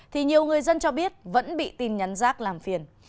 thì nhiều người dân cho biết vẫn bị tin nhắn rác làm phiền